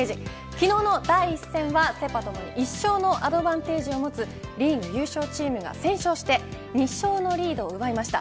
昨日の第１戦はセ・パともに１勝のアドバンテージを持つリーグ優勝チームが先勝して２勝のリードを奪いました。